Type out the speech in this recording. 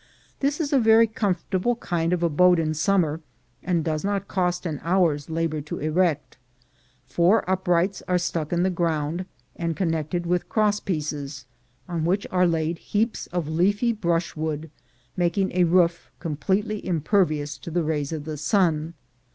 This is a very comfortable kind of abode in summer, and does not cost an hour's labor to erect. Four uprights are stuck in the ground, and connected with cross pieces, on which are laid heaps of leafy brushwood, making a roof completely impervious to the rays of the sun.